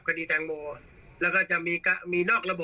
คุณผู้ชมครับ